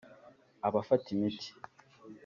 abafata imiti